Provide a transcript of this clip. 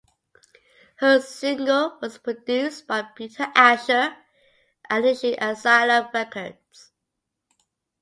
Her single was produced by Peter Asher and issued on Asylum Records.